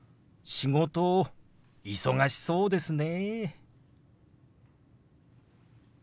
「仕事忙しそうですね」。